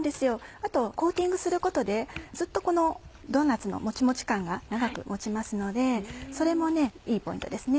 あとコーティングすることでずっとこのドーナッツのもちもち感が長く持ちますのでそれもいいポイントですね。